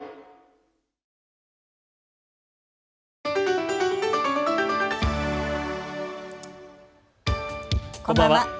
こんばんは。